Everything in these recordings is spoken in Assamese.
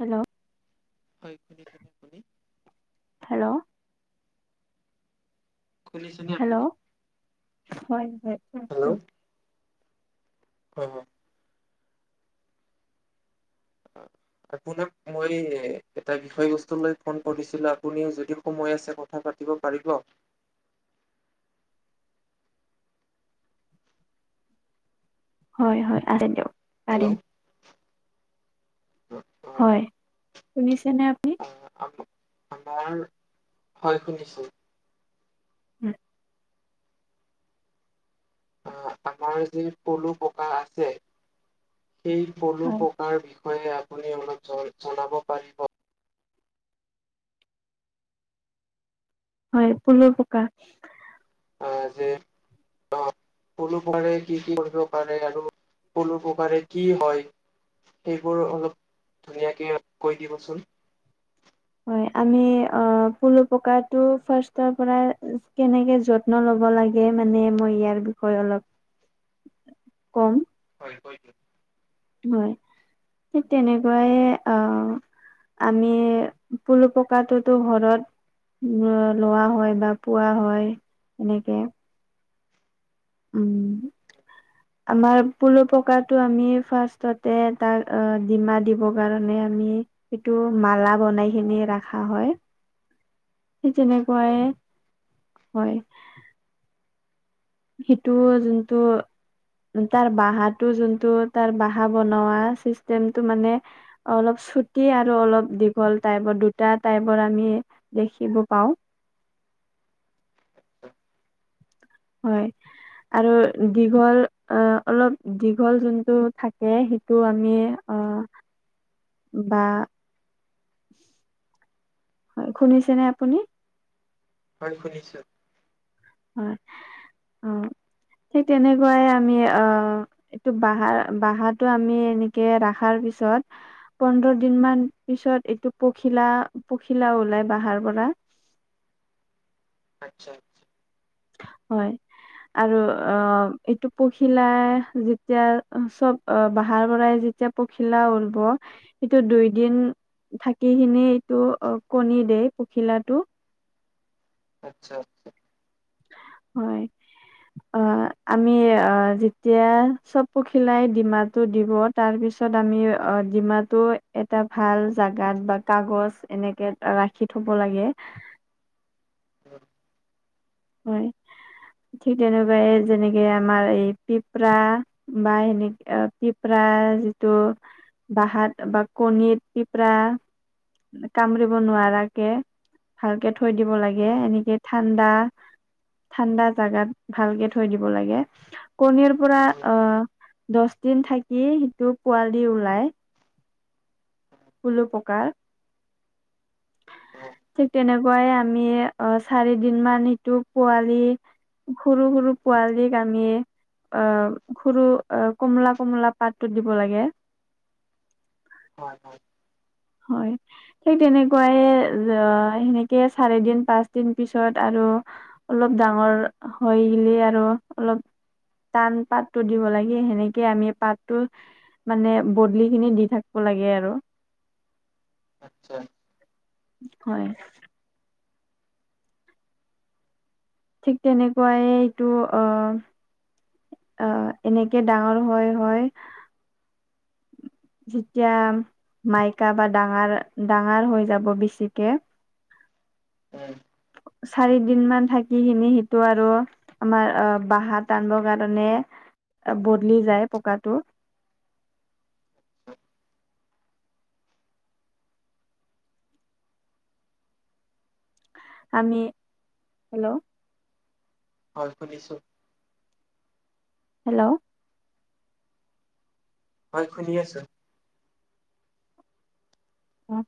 হেল্ল'। [unintelligible] আ শুনি হেল্ল'। শুনিছেনে আপুনি? হেল্ল' হয় হয়। হেল্ল'। কৱক অ। আপোনাক মই এই এটা বিষয়বস্তু লৈ ফোন কৰিছিলোঁ আপুনিও যদি সময় আছে কথা পাত পাতিব পাৰিব। হয় হয় আছে দিয়ক পাৰিম হেল্ল' হয়। শুনিছেনে আপুনি? অ আমি আমাৰ হয় শুনিছোঁ। উম। অ আমাৰ যি পলু পকা আছে সেই পলু প হয় পকাৰ বিষয়ে আপুনি অলপ জন জনাব পাৰিব। হয় পলু পকা। আ যে [inaudible] পলু পকাৰে কি কি কৰিব পাৰে আৰু পলু পকাৰে কি হয়? সেইবোৰ অলপ ধুনীয়াকে কৈ দিবচোন। হয় আমি অ পলু পকাটো ফাৰ্ষ্টৰ পৰা কেনেকে যত ত্ন ল'ব লাগে মানে মই ইয়াৰ বিষয়ে অলপ কম হয় কৈ দিয়ক। হয় ঠিক তেনেকুৱাই আহ আমি পুলো ককাটো ঘৰত লোৱা হয় বা পোৱা হয় এনেকে উম। আমাৰ পলু পকাটো আমি ফাৰ্ষ্টতে তাক ডিমা দিবৰ কাৰণে আমি সেইটো মালা বনাই খিনি ৰখা হয়। সেই তেনেকুৱাই হয়। সেইটো যোনটো তাৰ বহাটো যোনটো তাৰ বহা বনোৱা চিষ্টেমটো মানে অলপ চুটি আৰু অলপ দীঘল টাইপৰ দুটা টাইপৰ আমি দেখিব পাওঁ। হয়। আৰু দীঘল অলপ দীঘল যোনটো থাকে সেইটো আমি অহ বা হয় শুনিছে নে আপুনি? হয় শুনিছোঁ। হয় অ ঠিক তেনেকুৱাই আমি অহ এইটো বহাৰ বহাটো আমি এনেকে ৰাখাৰ পিছত পোন্ধৰ দিন মান পিছত এইটো পখিলা পখিলা ওলাই বাহাৰ পৰা। আত্চ্ছা হয়। আৰু অ এইটো পখিলা যেতিয়া চব অ বাহাৰ পৰাই যেতিয়া পখিলা উৰব সেটো দুই দিন থাকিখিনি এইটো কণী দে পখিলাটো। আত্চ্ছা আত্চ্ছা। হয়। অ আমি অ যেতিয়া চব পখিলাই ডিমাটো দিবত তাৰ পিছত আমি অ ডিমাটো এটা ভাল জাগাত বা কাগজ এনেকে ৰাখি থব লাগে। উম, হয় ঠিক তেনেকৈ যেনেকে আমাৰ এই পিপৰা বা এনেকে পিপৰা যিটো বাহাত বা কণিত পিপৰা কামুৰিব নোৱাৰাকে ভালকে থৈ দিব লাগে উম, এনেকে ঠাণ্ডা ঠাণ্ডা জাগাত ভালকে থৈ দিব লাগে কণীৰ পৰা উম, অহ দহ দিন থাকি সিটো পোৱালি ওলাই। পলুপকাৰ উম, ঠিক তেনেক- বয় আমি অ চাৰি দিন মান সিটো পোৱালি সৰু সৰু পোৱালীক আমি অ সৰু অ কমলা কমলা পাতটো দিব লাগে। হয় হয়। হয়। ঠিক তেনেকুৱাই এ জয় সেনেকে চাৰি দিন পাঁচ দিন পিছত আৰু অলপ ডাঙৰ হৈ গিলি আৰু অলপ টান পাতটো দিব লাগে সেনেকে আমি পাতটো মানে বদলি খিনি দি থাকিব লাগে আৰু। আত্চ্ছা। হয়। ঠিক তেনেকুৱাইে এইটো অ আহ এনেকে ডাঙৰ হয় হয়। যেতিয়া মাইকা বা ডাঙৰ, ডাঙৰ হৈ যাব বেছিকে এ চাৰি দিন মান থাকিখিনি সেইটো আৰু আমাৰ অ বহা টান দ কাৰণে বদলি যায় পকাটো আমি হেল্ল' হয় শুনিছো। হেল্ল' হয় শুনি আছো। অ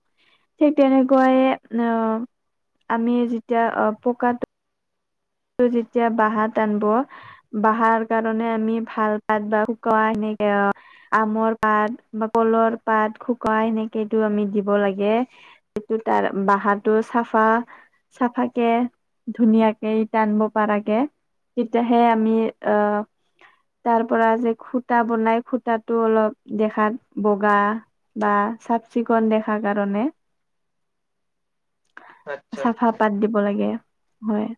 ঠিক তেনেকুৱাইে অ আমি যেতিয়া অ পকাত তোৰ যেতিয়া বহা টানব। বাহাৰ কাৰণে আমি ভাল পাত বা শুকোৱা সেনেকে অ আমৰ পাত বা কলৰ পাত শুকাই সেনেকেইটো আমি দিব লাগে। সেটো তাৰ বাহাটো চাফা চাফাকে ধুনীয়াকে জানব পাৰকে তেতিয়াহে আমি আ তাৰ পৰা যে খুতা বনাই খুতাটো অলপ দেখাত বগা। বা চাফ -চিকুণ দেখাৰ কাৰণে আচ্ছা চাফা আচ্ছা পাত দিব লাগে হয়।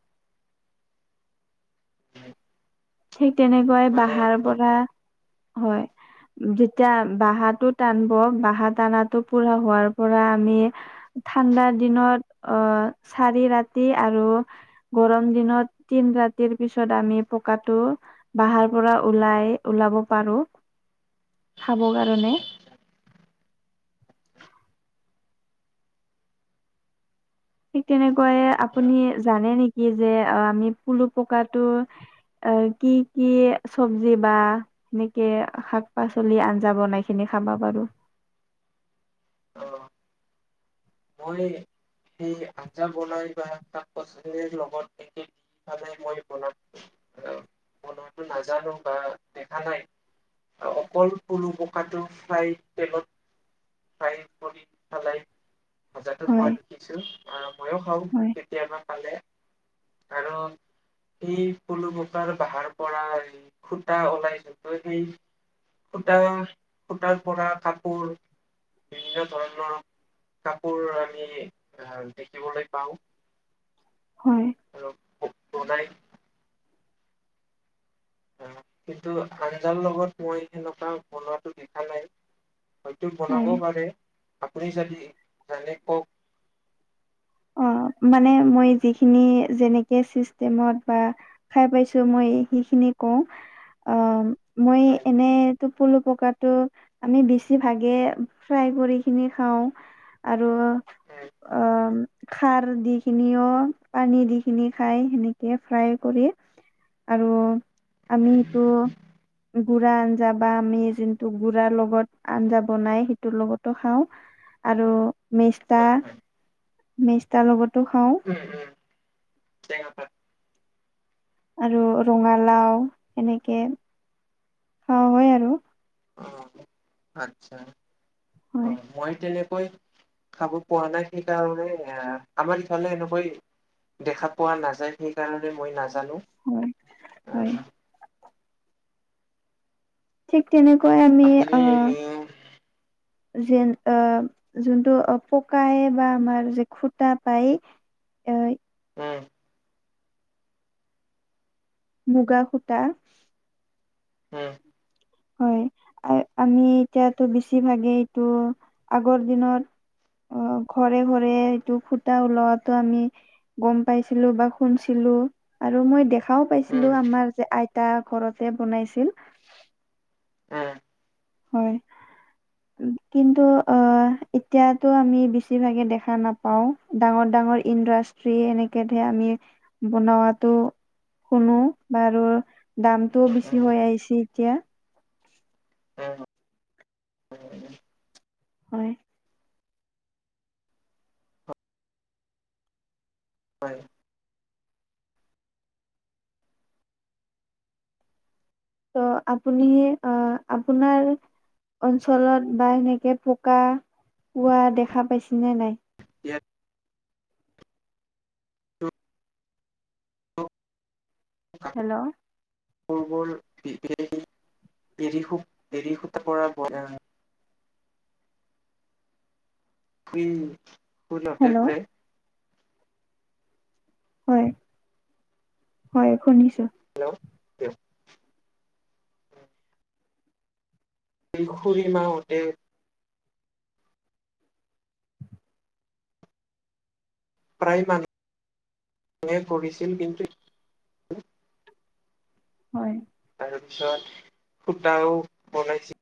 উম, ঠিক তেনেকুৱাই মানে বাহাৰ খুব পৰা হয়। যেতিয়া বহাটো টানব বহা টানাতটো পুৰা হোৱাৰ পৰা আমি ঠাণ্ডাৰ দিনত অ চাৰি ৰাতি আৰু গৰম দিনত তিন ৰাতিৰ পিছত আমি প- কাটো বাহাৰ পৰা ওলাই ওলাব পাৰো খাব কাৰণে ঠিক তেনেকৈয়ে আপুনি জানে নেকি যে আমি পুলু পকাটো অ কি কি চব্জি বা সেনেকে শাক- পাচলি আঞ্জা বনাই খিনি খাবা পাৰো। অ। মইয়ে সেই আঞ্জা বনাই বা শাক পাচলিৰ লগত দি পনাই মই বনাম। অ বনটো নাজানো বা দেখা নাই। অকল সৰু পকাটো ফ্ৰাই তেলত ফ্ৰাই কৰি খালাই। ভাজাটো খোৱা হয় দেখিছো আহ মইয়ো খাওঁ হয় কেতিয়াবা খালে। কাৰণ এই পলু পকাৰ বাহাৰ পৰা খুটা ওলাই যেটো সেই। সূতা সূতাৰ পৰা কাপোৰ বিভিন্ন ধৰণৰ কাপোৰ আমি আহ দেখিবলৈ পাওঁ। হয়। আৰু বনাই। অ কিন্তু আঞ্জাৰ লগত মই সেনেকুৱা বনোৱাটো দেখা নাই। হয়তো হয় বনাবও পাৰে আপুনি যদি জানে কওক। অ মানে মই যিখিনি যেনেকে চিষ্টেমত বা খাই পাইছো মই সেইখিনি কওঁ অ মই হয় এনে টোপলো পকাটো আমি বেছি ভাগে ফ্ৰাই কৰি কিনি খাওঁ। আৰু হয় অম। খাৰ দি খিনিও পানী দি খিনি খাই সেনেকে ফ্ৰাই কৰি। আৰু আমিটো গুড়া আঞ্জা বা আমি যোনটো গুড়াৰ লগত আঞ্জা বনাই সেইটোৰ লগতো খাওঁ। আৰু মেষ্টা হয় হয় মেষ্টাৰ লগতো খাওঁ। উম উম টেঙাপা আৰু ৰঙালাও এনেকে খাওঁ হয় আৰু। অ আচ্ছা অ হয় মই তেনেকৈ খাব পোৱা নাই সেইকাৰণে এ আমাৰ ইফালে এনেকৈ দেখা পোৱা নাযায় সেইকাৰণে মই নাজানো হয় হয় আহ। ঠিক তেনেকৈ আমি আপুনি আ যেন অ যোনটো পকাই বা আমাৰ যে খুটা পায় অই উম। মুগা সূতা উম। হয়, আ আমি এতিয়াতো বেছিভাগেই এইটো আগৰ দিনত অ ঘৰে - ঘৰে এইটো ফুটা ওলোৱাতো আমি গম পাইছিলো বা শুনছিলো আৰু মই দেখ খাও উম পাইছিলো আমাৰ যে আইতা ঘৰতে বনাইছিল। উম উম হয় কিন্তু অ এতিয়াতো আমি বেছিভাগে দেখা নাপাওঁ। পাও ডাঙৰ - ডাঙৰ ইণ্ডাষ্ট্ৰি এনেকে ধেৰ আমি বনোৱাতো শুনো বাৰু দামটোও উম বেছি হৈ আহিছে এতিয়া। হয়। হয়। হয়। ত' আপুনি, অ আপোনাৰ অঞ্চলত বা সেনেকে পকা পোৱা দেখা পাইছেনে নাই? ইয়াতো অ [inaudible] হেল্ল' পূৰ্বৰ এৰি সু এৰী সূত পৰা বনা শুই শুইতে হেল্ল' কুৰে। হয় হয় শুনিছো। হেল্ল'! প খুৰী মাহঁতে প্ৰায় মানুহ, মে পৰিছিল কিন্তু হয়। তাৰপিছত সূতাও বনাইছে।